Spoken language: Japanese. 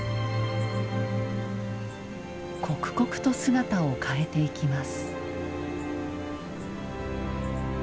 刻々と姿を変えていきます。